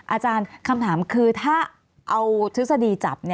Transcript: อาจารย์คำถามคือถ้าเอาทฤษฎีจับ